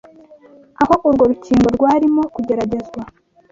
aho urwo rukingo rwarimo kugeragerezwa,